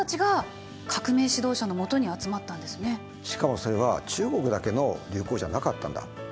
しかもそれは中国だけの流行じゃなかったんだ。